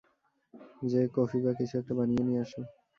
যেয়ে কফি বা কিছু একটা বানিয়ে নিয়ে আস।